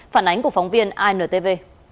phản ánh của phóng viên intv